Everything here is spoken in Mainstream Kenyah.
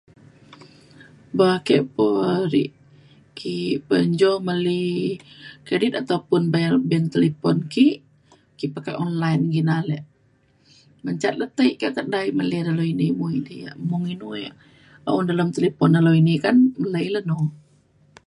Ba ake po ari e uban jo meli credit ataupun bayan bil telipon ke ke pakai online gina lek. Mejam ulu ti ka kedai meli inu ini mung inu ya un dalem telipon ulu ini kan nai la nu.